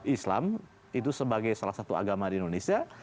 islam itu sebagai salah satu agama di indonesia